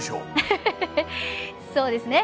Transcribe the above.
そうですね。